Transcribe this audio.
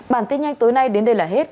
bản tin nhanh tối nay đến đây là hết